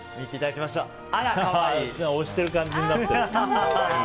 押してる感じになってる。